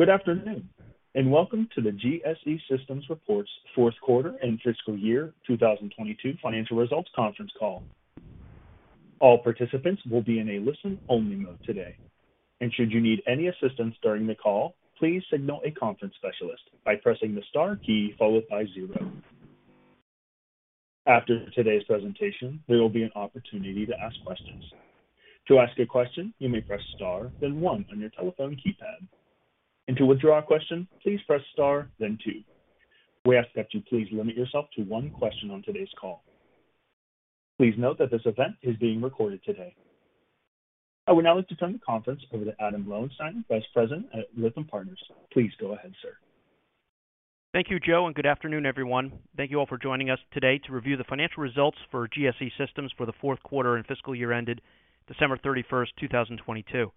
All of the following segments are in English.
Good afternoon, and welcome to the GSE Systems Reports Fourth Quarter and Fiscal Year 2022 Financial Results Conference Call. All participants will be in a listen-only mode today. Should you need any assistance during the call, please signal a conference specialist by pressing the star key followed by zero. After today's presentation, there will be an opportunity to ask questions. To ask a question, you may press star, then one on your telephone keypad. To withdraw a question, please press star, then two. We ask that you please limit yourself to one question on today's call. Please note that this event is being recorded today. I would now like to turn the conference over to Adam Lowensteiner, Vice President at Lytham Partners. Please go ahead, sir. Thank you, Joe. Good afternoon, everyone. Thank you all for joining us today to review the financial results for GSE Systems for the fourth quarter and fiscal year ended December 31st, 2022.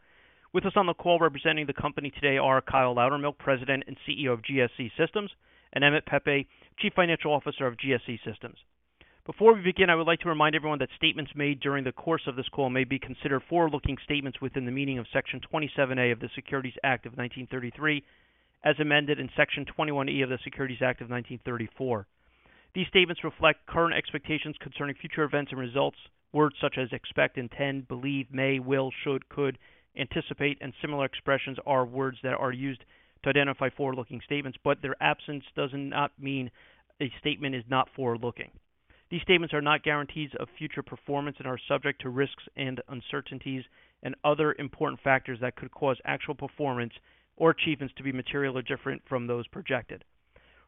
With us on the call representing the company today are Kyle Loudermilk, President and CEO of GSE Systems, Emmett Pepe, Chief Financial Officer of GSE Systems. Before we begin, I would like to remind everyone that statements made during the course of this call may be considered forward-looking statements within the meaning of Section 27A of the Securities Act of 1933, as amended in Section 21E of the Securities Act of 1934. These statements reflect current expectations concerning future events and results. Words such as expect, intend, believe, may, will, should, could, anticipate, and similar expressions are words that are used to identify forward-looking statements, but their absence does not mean a statement is not forward-looking. These statements are not guarantees of future performance and are subject to risks and uncertainties and other important factors that could cause actual performance or achievements to be materially different from those projected.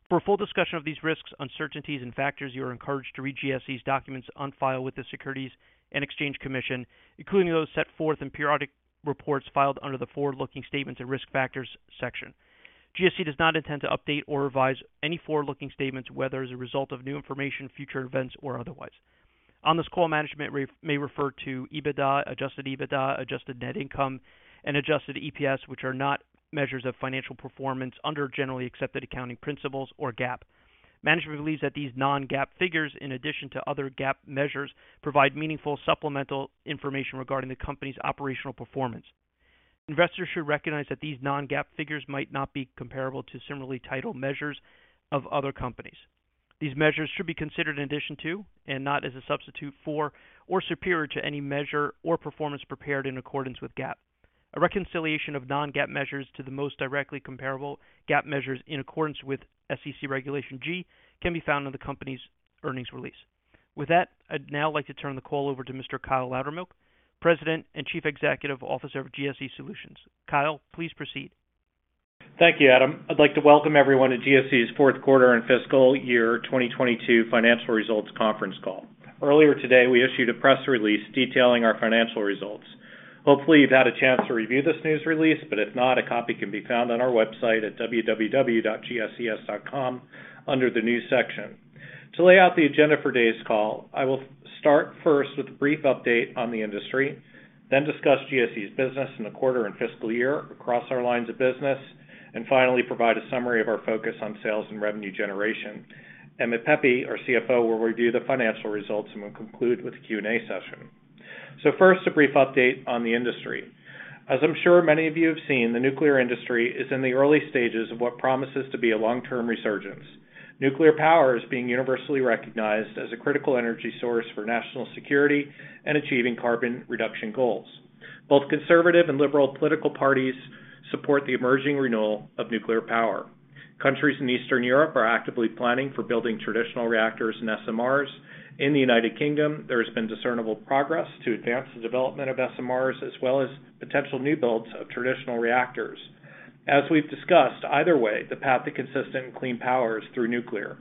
For a full discussion of these risks, uncertainties, and factors, you are encouraged to read GSE's documents on file with the Securities and Exchange Commission, including those set forth in periodic reports filed under the Forward-Looking Statements and Risk Factors section. GSE does not intend to update or revise any forward-looking statements, whether as a result of new information, future events, or otherwise. On this call, management may refer to EBITDA, adjusted EBITDA, adjusted net income, and adjusted EPS, which are not measures of financial performance under generally accepted accounting principles or GAAP. Management believes that these non-GAAP figures, in addition to other GAAP measures, provide meaningful supplemental information regarding the company's operational performance. Investors should recognize that these non-GAAP figures might not be comparable to similarly titled measures of other companies. These measures should be considered in addition to and not as a substitute for or superior to any measure or performance prepared in accordance with GAAP. A reconciliation of non-GAAP measures to the most directly comparable GAAP measures in accordance with SEC Regulation G can be found on the company's earnings release. I'd now like to turn the call over to Mr. Kyle Loudermilk, President and Chief Executive Officer of GSE Systems. Kyle, please proceed. Thank you, Adam. I'd like to welcome everyone to GSE's Fourth Quarter and Fiscal Year 2022 Financial Results Conference Call. Earlier today, we issued a press release detailing our financial results. Hopefully, you've had a chance to review this news release, if not, a copy can be found on our website at www.gses.com under the News section. To lay out the agenda for today's call, I will start first with a brief update on the industry, then discuss GSE's business in the quarter and fiscal year across our lines of business, and finally, provide a summary of our focus on sales and revenue generation. Emmett Pepe, our CFO, will review the financial results, we'll conclude with a Q&A session. First, a brief update on the industry. As I'm sure many of you have seen, the nuclear industry is in the early stages of what promises to be a long-term resurgence. Nuclear power is being universally recognized as a critical energy source for national security and achieving carbon reduction goals. Both conservative and liberal political parties support the emerging renewal of nuclear power. Countries in Eastern Europe are actively planning for building traditional reactors and SMRs. In the United Kingdom, there has been discernible progress to advance the development of SMRs, as well as potential new builds of traditional reactors. As we've discussed, either way, the path to consistent clean power is through nuclear.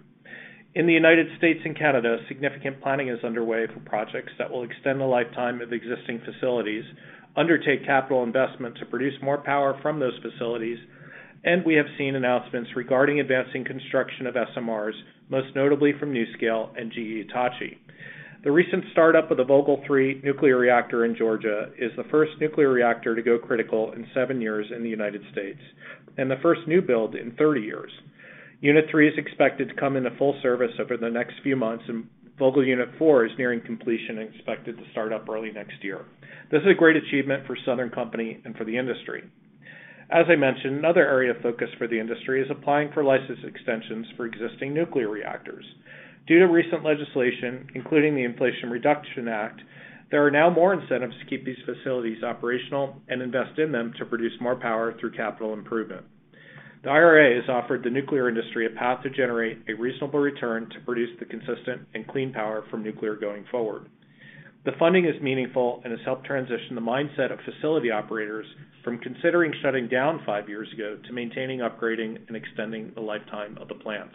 In the United States and Canada, significant planning is underway for projects that will extend the lifetime of existing facilities, undertake capital investment to produce more power from those facilities. We have seen announcements regarding advancing construction of SMRs, most notably from NuScale and GE Hitachi. The recent startup of the Vogtle Unit 3 nuclear reactor in Georgia is the first nuclear reactor to go critical in seven years in the United States and the first new build in 30 years. Unit 3 is expected to come into full service over the next few months. Vogtle Unit 4 is nearing completion and expected to start up early next year. This is a great achievement for Southern Company and for the industry. As I mentioned, another area of focus for the industry is applying for license extensions for existing nuclear reactors. Due to recent legislation, including the Inflation Reduction Act, there are now more incentives to keep these facilities operational and invest in them to produce more power through capital improvement. The IRA has offered the nuclear industry a path to generate a reasonable return to produce the consistent and clean power from nuclear going forward. The funding is meaningful and has helped transition the mindset of facility operators from considering shutting down five years ago to maintaining, upgrading, and extending the lifetime of the plants.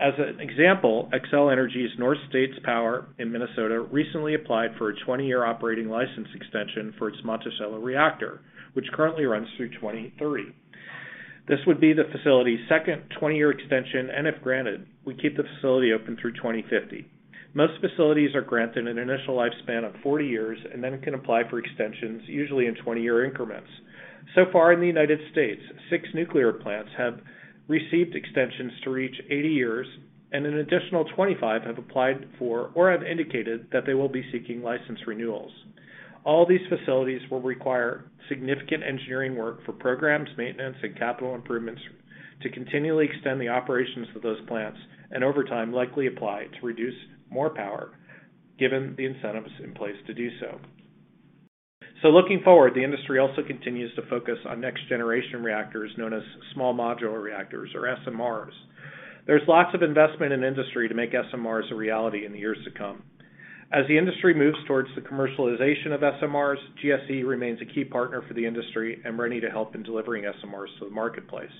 As an example, Xcel Energy's Northern States Power in Minnesota recently applied for a 20-year operating license extension for its Monticello reactor, which currently runs through 2030. This would be the facility's second 20-year extension, and if granted, would keep the facility open through 2050. Most facilities are granted an initial lifespan of 40 years and then can apply for extensions, usually in 20-year increments. Far in the United States, six nuclear plants have received extensions to reach 80 years, and an additional 25 have applied for or have indicated that they will be seeking license renewals. All these facilities will require significant engineering work for programs, maintenance, and capital improvements to continually extend the operations of those plants and over time likely apply to reduce more power given the incentives in place to do so. Looking forward, the industry also continues to focus on next generation reactors known as small modular reactors, or SMRs. There's lots of investment in industry to make SMRs a reality in the years to come. As the industry moves towards the commercialization of SMRs, GSE remains a key partner for the industry and ready to help in delivering SMRs to the marketplace.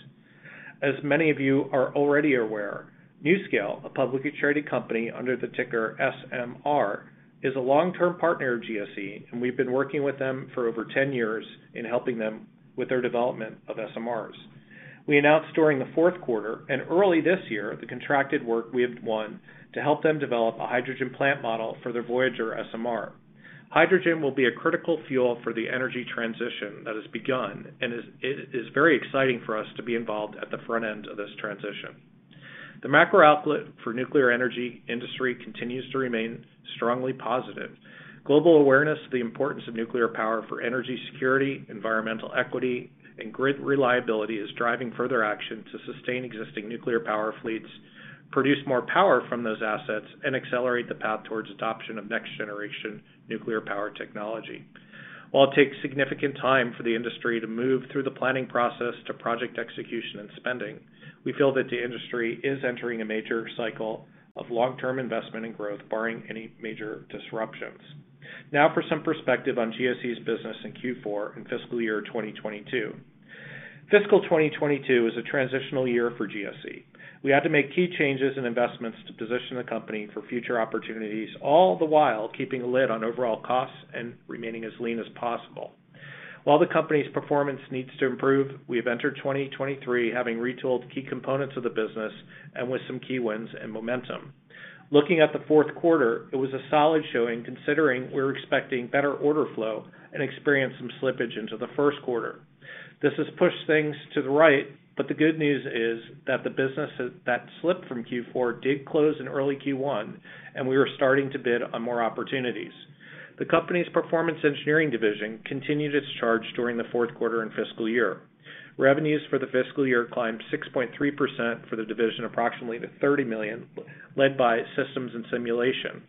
As many of you are already aware, NuScale, a publicly traded company under the ticker SMR, is a long-term partner of GSE, and we've been working with them for over 10 years in helping them with their development of SMRs. We announced during the fourth quarter and early this year the contracted work we have won to help them develop a hydrogen plant model for their VOYGR SMR. Hydrogen will be a critical fuel for the energy transition that has begun, and it is very exciting for us to be involved at the front end of this transition. The macro outlet for nuclear energy industry continues to remain strongly positive. Global awareness of the importance of nuclear power for energy security, environmental equity, and grid reliability is driving further action to sustain existing nuclear power fleets, produce more power from those assets, and accelerate the path towards adoption of next generation nuclear power technology. While it takes significant time for the industry to move through the planning process to project execution and spending, we feel that the industry is entering a major cycle of long-term investment and growth, barring any major disruptions. For some perspective on GSE's business in Q4 and fiscal year 2022. Fiscal 2022 is a transitional year for GSE. We had to make key changes in investments to position the company for future opportunities, all the while keeping a lid on overall costs and remaining as lean as possible. While the company's performance needs to improve, we have entered 2023 having retooled key components of the business and with some key wins and momentum. Looking at the fourth quarter, it was a solid showing considering we were expecting better order flow and experienced some slippage into the first quarter. This has pushed things to the right, but the good news is that the business that slipped from Q4 did close in early Q1, and we were starting to bid on more opportunities. The company's Performance Engineering division continued its charge during the fourth quarter and fiscal year. Revenues for the fiscal year climbed 6.3% for the division approximately to $30 million, led by Systems and Simulation.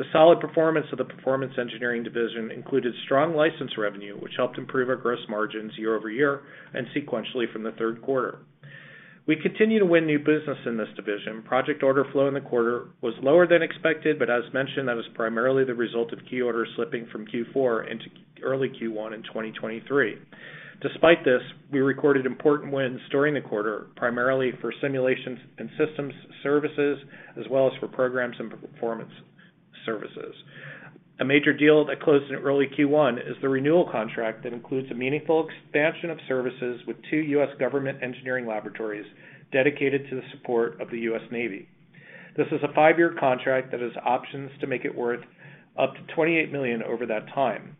The solid performance of the Performance Engineering division included strong license revenue, which helped improve our gross margins year-over-year and sequentially from the third quarter. We continue to win new business in this division. Project order flow in the quarter was lower than expected. As mentioned, that was primarily the result of key orders slipping from Q4 into early Q1 in 2023. Despite this, we recorded important wins during the quarter, primarily for simulations and systems services, as well as for programs and performance services. A major deal that closed in early Q1 is the renewal contract that includes a meaningful expansion of services with two U.S. government engineering laboratories dedicated to the support of the U.S. Navy. This is a five-year contract that has options to make it worth up to $28 million over that time.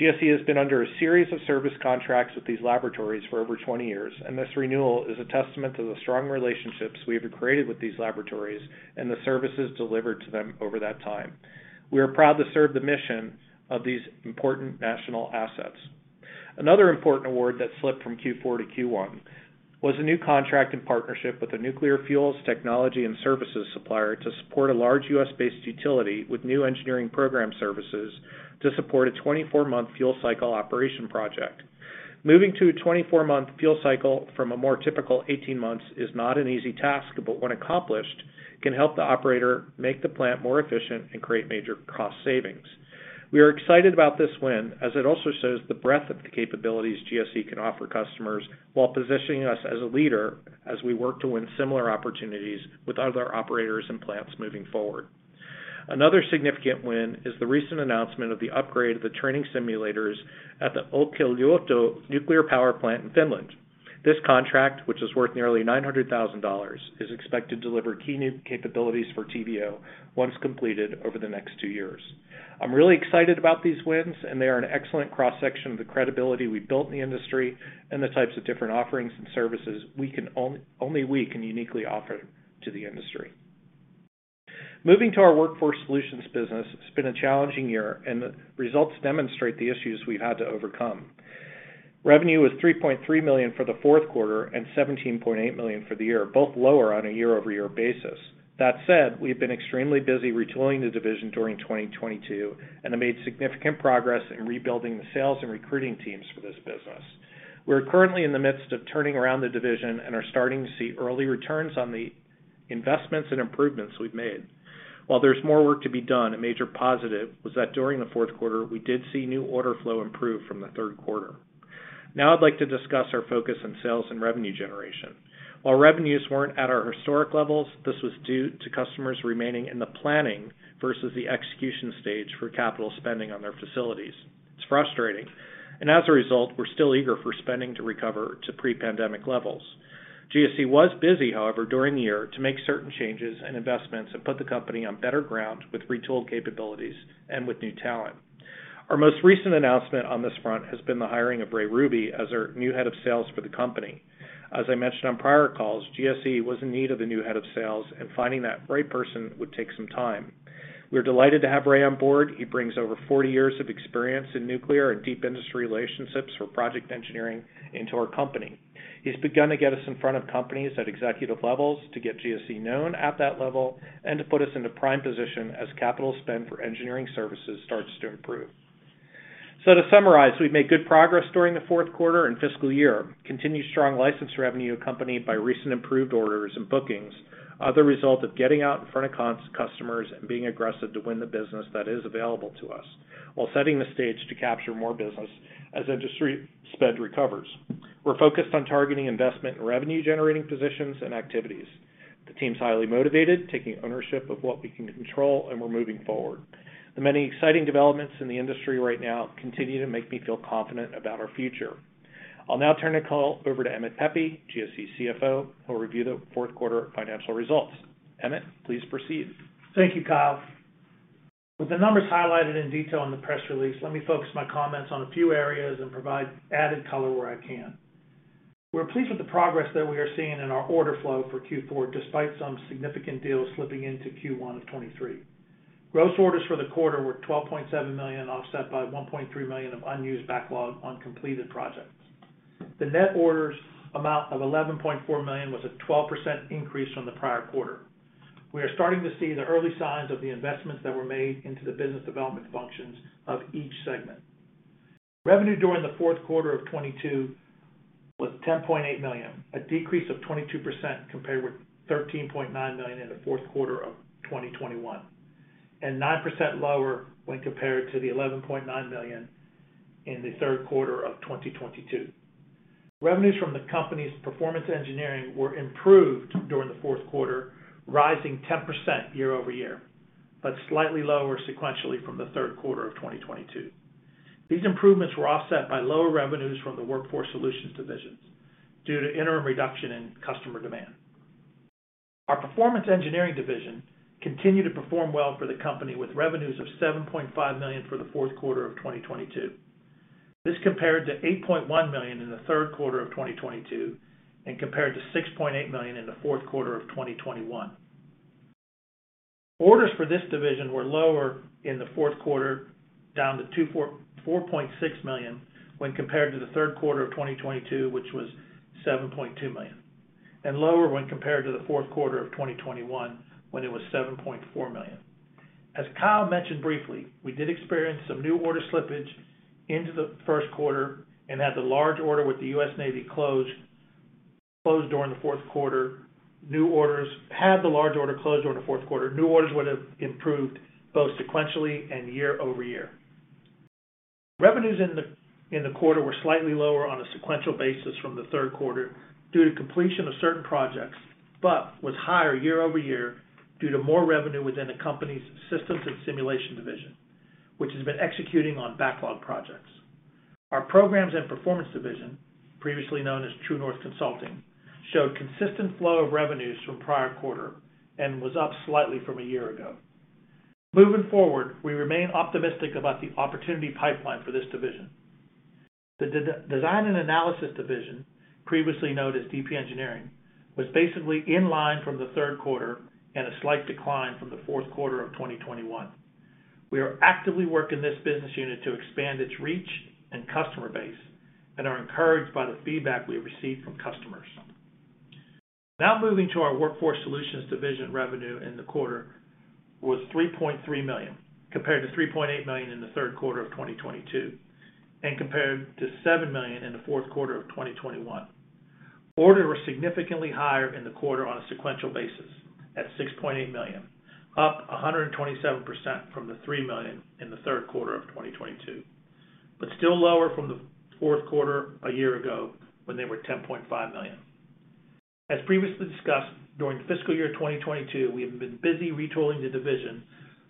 GSE has been under a series of service contracts with these laboratories for over 20 years. This renewal is a testament to the strong relationships we have created with these laboratories and the services delivered to them over that time. We are proud to serve the mission of these important national assets. Another important award that slipped from Q4 to Q1 was a new contract and partnership with a nuclear fuels technology and services supplier to support a large U.S.-based utility with new engineering program services to support a 24-month fuel cycle operation project. Moving to a 24-month fuel cycle from a more typical 18 months is not an easy task. When accomplished, can help the operator make the plant more efficient and create major cost savings. We are excited about this win as it also shows the breadth of the capabilities GSE can offer customers while positioning us as a leader as we work to win similar opportunities with other operators and plants moving forward. Another significant win is the recent announcement of the upgrade of the training simulators at the Olkiluoto nuclear power plant in Finland. This contract, which is worth nearly $900,000, is expected to deliver key new capabilities for TVO once completed over the next two years. I'm really excited about these wins, and they are an excellent cross-section of the credibility we built in the industry and the types of different offerings and services only we can uniquely offer to the industry. Moving to our Workforce Solutions business, it's been a challenging year, the results demonstrate the issues we've had to overcome. Revenue was $3.3 million for the fourth quarter and $17.8 million for the year, both lower on a year-over-year basis. We've been extremely busy retooling the division during 2022 and have made significant progress in rebuilding the sales and recruiting teams for this business. We're currently in the midst of turning around the division and are starting to see early returns on the investments and improvements we've made. While there's more work to be done, a major positive was that during the fourth quarter, we did see new order flow improve from the third quarter. I'd like to discuss our focus on sales and revenue generation. While revenues weren't at our historic levels, this was due to customers remaining in the planning versus the execution stage for capital spending on their facilities. It's frustrating, and as a result, we're still eager for spending to recover to pre-pandemic levels. GSE was busy, however, during the year to make certain changes and investments and put the company on better ground with retooled capabilities and with new talent. Our most recent announcement on this front has been the hiring of Ray Hruby as our new head of sales for the company. As I mentioned on prior calls, GSE was in need of a new head of sales, and finding that right person would take some time. We're delighted to have Ray on board. He brings over 40 years of experience in nuclear and deep industry relationships for project engineering into our company. He's begun to get us in front of companies at executive levels to get GSE known at that level and to put us in a prime position as capital spend for engineering services starts to improve. To summarize, we've made good progress during the fourth quarter and fiscal year. Continued strong license revenue, accompanied by recent improved orders and bookings, are the result of getting out in front of customers and being aggressive to win the business that is available to us, while setting the stage to capture more business as industry spend recovers. We're focused on targeting investment in revenue-generating positions and activities. The team's highly motivated, taking ownership of what we can control, and we're moving forward. The many exciting developments in the industry right now continue to make me feel confident about our future. I'll now turn the call over to Emmett Pepe, GSE CFO, who will review the fourth quarter financial results. Emmett, please proceed. Thank you, Kyle. With the numbers highlighted in detail in the press release, let me focus my comments on a few areas and provide added color where I can. We're pleased with the progress that we are seeing in our order flow for Q4, despite some significant deals slipping into Q1 of 2023. Gross orders for the quarter were $12.7 million, offset by $1.3 million of unused backlog on completed projects. The net orders amount of $11.4 million was a 12% increase from the prior quarter. We are starting to see the early signs of the investments that were made into the business development functions of each segment. Revenue during the fourth quarter of 2022 was $10.8 million, a decrease of 22% compared with $13.9 million in the fourth quarter of 2021, and 9% lower when compared to the $11.9 million in the third quarter of 2022. Revenues from the company's Performance Engineering were improved during the fourth quarter, rising 10% year-over-year, but slightly lower sequentially from the third quarter of 2022. These improvements were offset by lower revenues from the Workforce Solutions divisions due to interim reduction in customer demand. Our Performance Engineering division continued to perform well for the company with revenues of $7.5 million for the fourth quarter of 2022. This compared to $8.1 million in the third quarter of 2022 and compared to $6.8 million in the fourth quarter of 2021. Orders for this division were lower in the fourth quarter, down to $4.6 million when compared to the third quarter of 2022, which was $7.2 million, and lower when compared to the fourth quarter of 2021 when it was $7.4 million. As Kyle mentioned briefly, we did experience some new order slippage into the first quarter and had the large order with the U.S. Navy closed during the fourth quarter. New orders had the large order closed during the fourth quarter. New orders would have improved both sequentially and year-over-year. Revenues in the quarter were slightly lower on a sequential basis from the third quarter due to completion of certain projects, but was higher year-over-year due to more revenue within the company's Systems and Simulation division, which has been executing on backlog projects. Our Programs and Performance division, previously known as True North Consulting, showed consistent flow of revenues from prior quarter and was up slightly from a year ago. Moving forward, we remain optimistic about the opportunity pipeline for this division. The Design and Analysis division, previously known as DP Engineering, was basically in line from the third quarter and a slight decline from the fourth quarter of 2021. We are actively working this business unit to expand its reach and customer base and are encouraged by the feedback we have received from customers. Moving to our Workforce Solutions division revenue in the quarter was $3.3 million, compared to $3.8 million in the third quarter of 2022 and compared to $7 million in the fourth quarter of 2021. Orders were significantly higher in the quarter on a sequential basis at $6.8 million, up 127% from the $3 million in the third quarter of 2022, but still lower from the fourth quarter a year ago when they were $10.5 million. As previously discussed, during fiscal year 2022, we have been busy retooling the division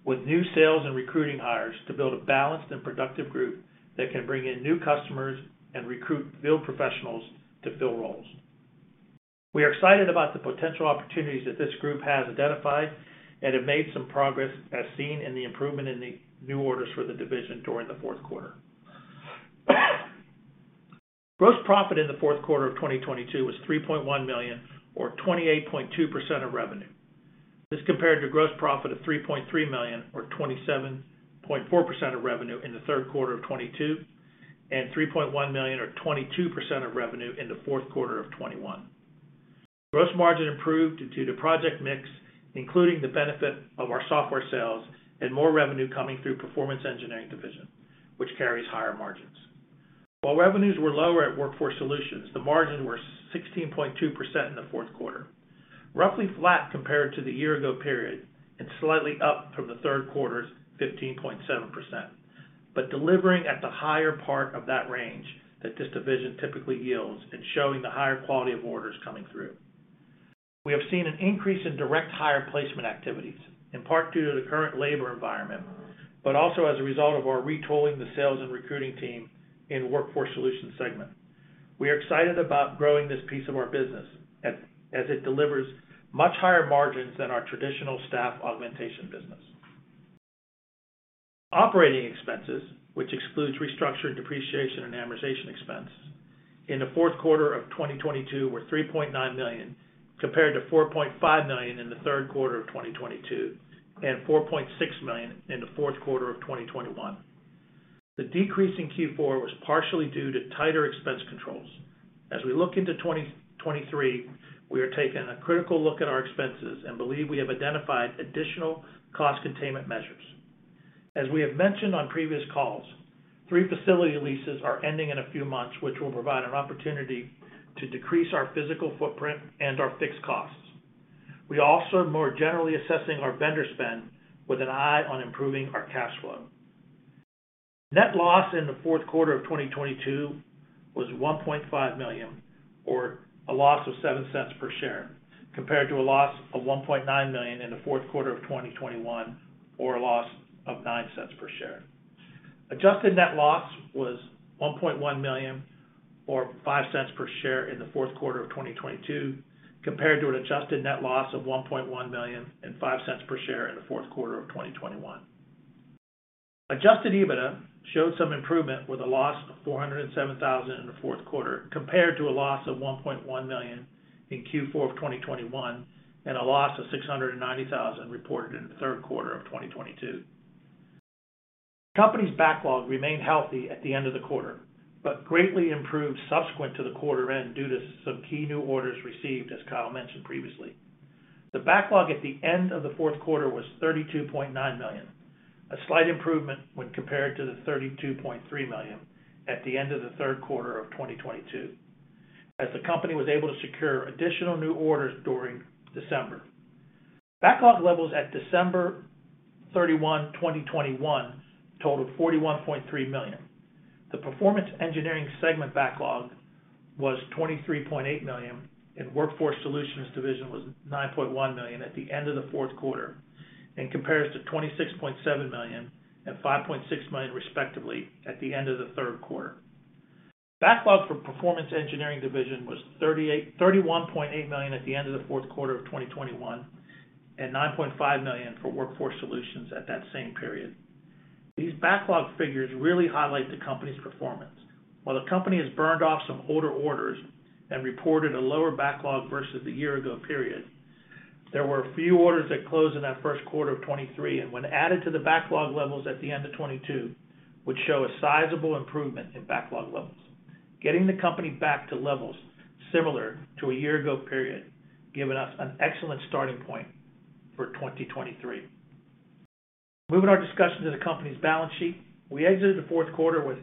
with new sales and recruiting hires to build a balanced and productive group that can bring in new customers and recruit field professionals to fill roles. We are excited about the potential opportunities that this group has identified and have made some progress, as seen in the improvement in the new orders for the division during the fourth quarter. Gross profit in the fourth quarter of 2022 was $3.1 million or 28.2% of revenue. This compared to gross profit of $3.3 million or 27.4% of revenue in the third quarter of 2022, and $3.1 million or 22% of revenue in the fourth quarter of 2021. Gross margin improved due to project mix, including the benefit of our software sales and more revenue coming through Performance Engineering division, which carries higher margins. While revenues were lower at Workforce Solutions, the margins were 16.2% in the fourth quarter, roughly flat compared to the year-ago period and slightly up from the third quarter's 15.7%, but delivering at the higher part of that range that this division typically yields and showing the higher quality of orders coming through. We have seen an increase in direct hire placement activities, in part due to the current labor environment, but also as a result of our retooling the sales and recruiting team in Workforce Solutions segment. We are excited about growing this piece of our business as it delivers much higher margins than our traditional staff augmentation business. Operating expenses, which excludes restructured depreciation and amortization expense in the fourth quarter of 2022 were $3.9 million compared to $4.5 million in the third quarter of 2022, and $4.6 million in the fourth quarter of 2021. The decrease in Q4 was partially due to tighter expense controls. We look into 2023, we are taking a critical look at our expenses and believe we have identified additional cost containment measures. As we have mentioned on previous calls, three facility leases are ending in a few months, which will provide an opportunity to decrease our physical footprint and our fixed costs. We also are more generally assessing our vendor spend with an eye on improving our cash flow. Net loss in the fourth quarter of 2022 was $1.5 million, or a loss of $0.07 per share, compared to a loss of $1.9 million in the fourth quarter of 2021, or a loss of $0.09 per share. Adjusted net loss was $1.1 million or $0.05 per share in the fourth quarter of 2022, compared to an adjusted net loss of $1.1 million and $0.05 per share in the fourth quarter of 2021. Adjusted EBITDA showed some improvement with a loss of $407,000 in the fourth quarter compared to a loss of $1.1 million in Q4 of 2021, and a loss of $690,000 reported in the third quarter of 2022. Company's backlog remained healthy at the end of the quarter, but greatly improved subsequent to the quarter end due to some key new orders received, as Kyle mentioned previously. The backlog at the end of the fourth quarter was $32.9 million, a slight improvement when compared to the $32.3 million at the end of the third quarter of 2022. As the company was able to secure additional new orders during December. Backlog levels at December 31, 2021 totaled $41.3 million. The Performance Engineering segment backlog was $23.8 million, and Workforce Solutions division was $9.1 million at the end of the fourth quarter, and compares to $26.7 million and $5.6 million respectively at the end of the third quarter. Backlog for Performance Engineering division was $31.8 million at the end of the fourth quarter of 2021, and $9.5 million for Workforce Solutions at that same period. These backlog figures really highlight the company's performance. While the company has burned off some older orders and reported a lower backlog versus the year ago period, there were a few orders that closed in that first quarter of 2023, and when added to the backlog levels at the end of 2022, would show a sizable improvement in backlog levels. Getting the company back to levels similar to a year ago period, giving us an excellent starting point for 2023. Moving our discussion to the company's balance sheet. We exited the fourth quarter with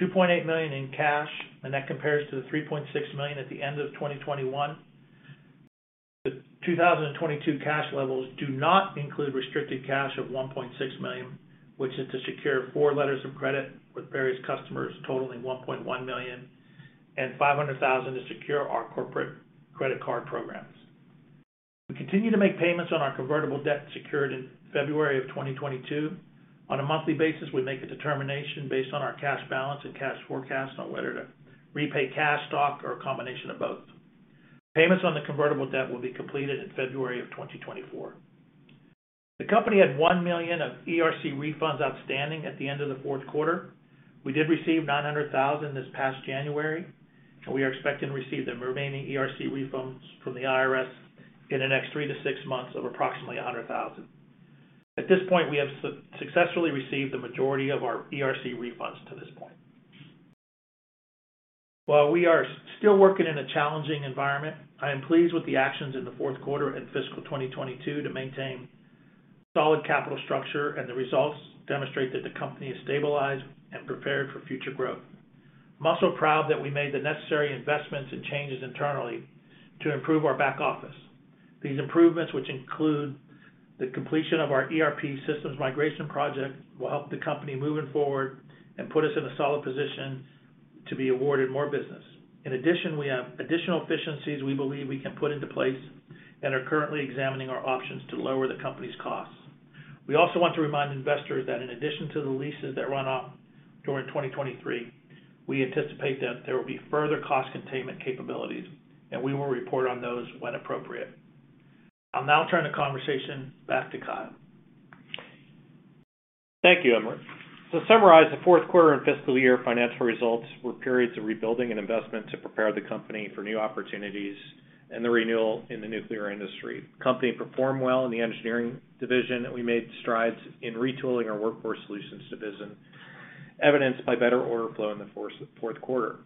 $2.8 million in cash. That compares to the $3.6 million at the end of 2021. The 2022 cash levels do not include restricted cash of $1.6 million, which is to secure 4 letters of credit with various customers totaling $1.1 million and $500,000 to secure our corporate credit card programs. We continue to make payments on our convertible debt secured in February of 2022. On a monthly basis, we make a determination based on our cash balance and cash forecast on whether to repay cash, stock, or a combination of both. Payments on the convertible debt will be completed in February of 2024. The company had $1 million of ERC refunds outstanding at the end of the fourth quarter. We did receive $900,000 this past January, and we are expecting to receive the remaining ERC refunds from the IRS in the next 3 to 6 months of approximately $100,000. At this point, we have successfully received the majority of our ERC refunds to this point. While we are still working in a challenging environment, I am pleased with the actions in the fourth quarter and fiscal 2022 to maintain solid capital structure, and the results demonstrate that the company is stabilized and prepared for future growth. I'm also proud that we made the necessary investments and changes internally to improve our back office. These improvements, which include the completion of our ERP systems migration project, will help the company moving forward and put us in a solid position to be awarded more business. We have additional efficiencies we believe we can put into place and are currently examining our options to lower the company's costs. We also want to remind investors that in addition to the leases that run off during 2023, we anticipate that there will be further cost containment capabilities, and we will report on those when appropriate. I'll now turn the conversation back to Kyle. Thank you, Emmett. To summarize, the fourth quarter and fiscal year financial results were periods of rebuilding and investment to prepare the company for new opportunities and the renewal in the nuclear industry. The company performed well in the engineering division, and we made strides in retooling our Workforce Solutions division, evidenced by better order flow in the fourth quarter.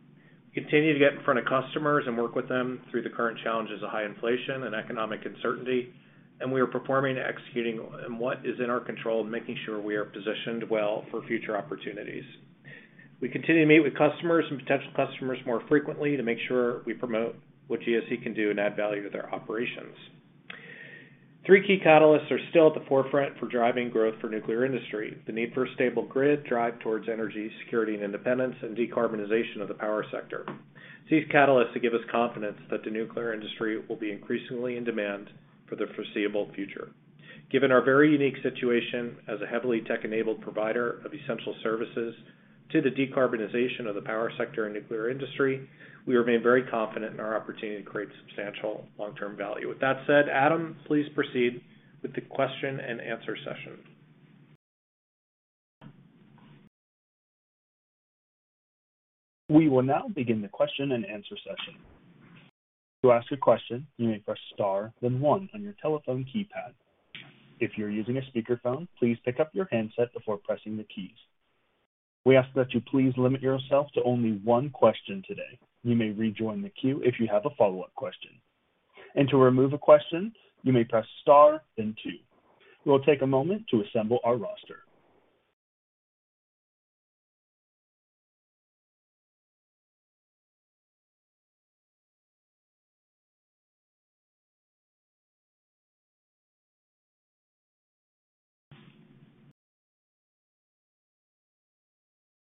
We continue to get in front of customers and work with them through the current challenges of high inflation and economic uncertainty, we are performing and executing what is in our control and making sure we are positioned well for future opportunities. We continue to meet with customers and potential customers more frequently to make sure we promote what GSE can do and add value to their operations. Three key catalysts are still at the forefront for driving growth for nuclear industry. The need for a stable grid drive towards energy security and independence and decarbonization of the power sector. It's these catalysts that give us confidence that the nuclear industry will be increasingly in demand for the foreseeable future. Given our very unique situation as a heavily tech-enabled provider of essential services to the decarbonization of the power sector and nuclear industry, we remain very confident in our opportunity to create substantial long-term value. With that said, Adam, please proceed with the question and answer session. We will now begin the question and answer session. To ask a question, you may press star then one on your telephone keypad. If you're using a speakerphone, please pick up your handset before pressing the keys. We ask that you please limit yourself to only one question today. You may rejoin the queue if you have a follow-up question. To remove a question, you may press star then two. We'll take a moment to assemble our roster.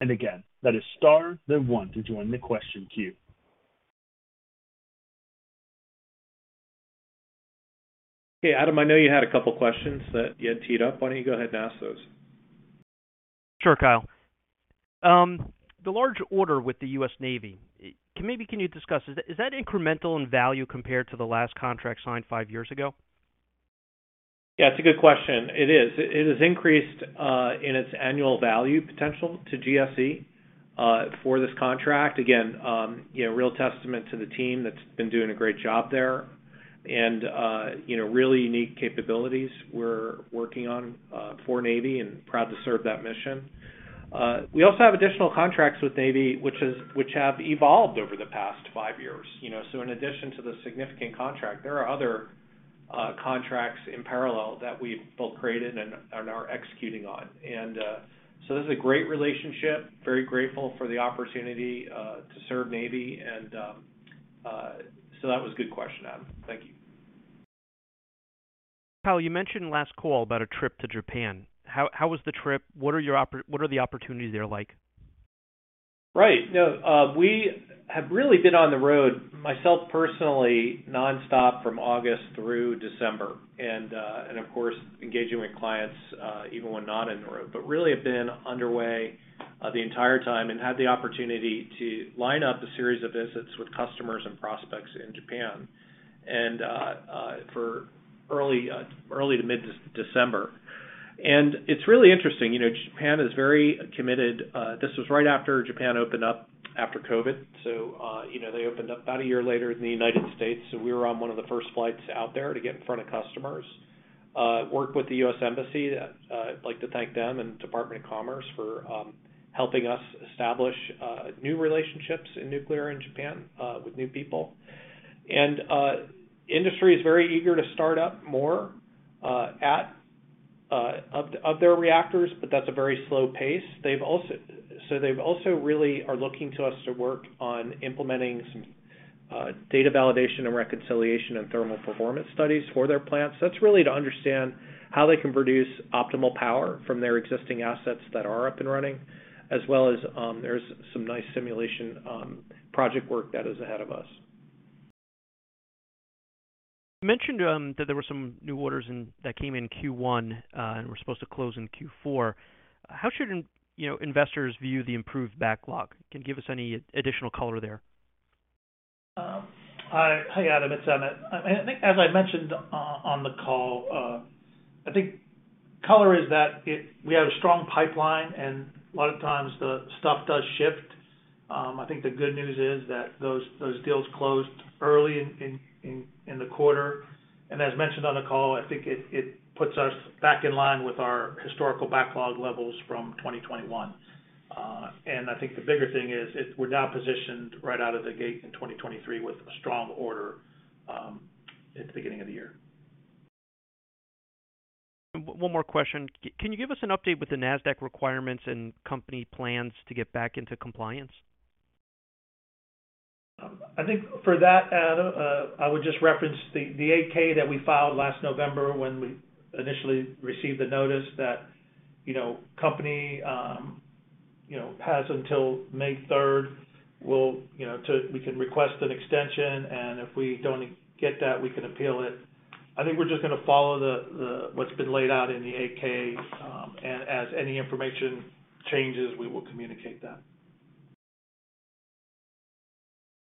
Again, that is star then one to join the question queue. Okay, Adam, I know you had a couple questions that you had teed up. Why don't you go ahead and ask those? Sure, Kyle. The large order with the U.S. Navy, maybe can you discuss, is that incremental in value compared to the last contract signed five years ago? Yeah, it's a good question. It is. It has increased in its annual value potential to GSE for this contract. Again, you know, real testament to the team that's been doing a great job there and, you know, really unique capabilities we're working on for Navy and proud to serve that mission. We also have additional contracts with Navy which have evolved over the past five years. You know, so in addition to the significant contract, there are other contracts in parallel that we've both created and are executing on. This is a great relationship. Very grateful for the opportunity to serve Navy. That was a good question, Adam. Thank you. Kyle, you mentioned last call about a trip to Japan. How was the trip? What are the opportunities there like? Right. No, we have really been on the road, myself personally, nonstop from August through December. of course, engaging with clients, even when not on the road, but really have been underway the entire time and had the opportunity to line up a series of visits with customers and prospects in Japan and for early to mid December. it's really interesting, you know, Japan is very committed. this was right after Japan opened up after COVID. you know, they opened up about a year later than the United States. we were on one of the first flights out there to get in front of customers. worked with the U.S. Embassy. I'd like to thank them and Department of Commerce for helping us establish new relationships in nuclear in Japan with new people. Industry is very eager to start up more of their reactors, but that's a very slow pace. They've also really are looking to us to work on implementing some data validation and reconciliation and thermal performance studies for their plants. That's really to understand how they can produce optimal power from their existing assets that are up and running, as well as, there's some nice simulation project work that is ahead of us. You mentioned that there were some new orders that came in Q1 and were supposed to close in Q4. How should you know, investors view the improved backlog? Can you give us any additional color there? Hi, Adam, it's Emmett. I think as I mentioned on the call, I think color is that we have a strong pipeline, and a lot of times the stuff does shift. I think the good news is that those deals closed early in the quarter. As mentioned on the call, I think it puts us back in line with our historical backlog levels from 2021. I think the bigger thing is we're now positioned right out of the gate in 2023 with a strong order at the beginning of the year. One more question. Can you give us an update with the Nasdaq requirements and company plans to get back into compliance? I think for that, Adam, I would just reference the 8-K that we filed last November when we initially received the notice that, you know, company has until May 3rd will we can request an extension, and if we don't get that, we can appeal it. I think we're just gonna follow the what's been laid out in the 8-K. As any information changes, we will communicate that.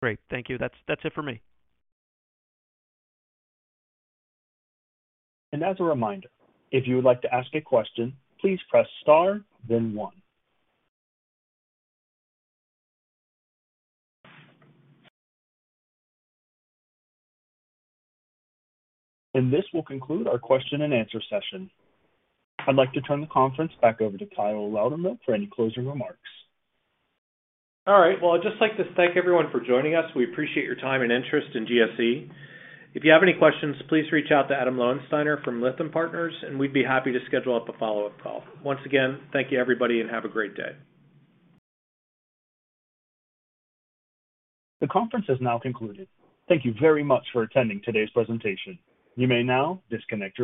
Great. Thank you. That's it for me. As a reminder, if you would like to ask a question, please press Star then One. This will conclude our question and answer session. I'd like to turn the conference back over to Kyle Loudermilk for any closing remarks. All right. Well, I'd just like to thank everyone for joining us. We appreciate your time and interest in GSE. If you have any questions, please reach out to Adam Lowensteiner from Lytham Partners, and we'd be happy to schedule up a follow-up call. Once again, thank you, everybody, and have a great day. The conference has now concluded. Thank you very much for attending today's presentation. You may now disconnect your lines.